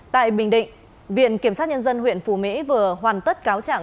tại bình định viện kiểm sát nhân dân huyện phù mỹ vừa hoàn tất cáo trạng